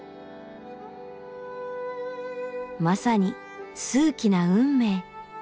まさに数奇な運命！